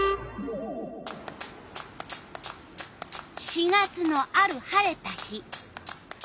４月のある晴れた日。